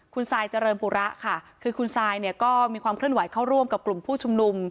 คุณซายเจริญปุระค่ะคือคุณซายเนี่ยก็มีความเคลื่อนไหวเข้าร่วมกับกลุ่มผู้ชุมนุม